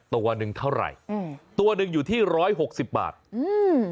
ตัวหนึ่งเท่าไหร่อืมตัวหนึ่งอยู่ที่ร้อยหกสิบบาทอืม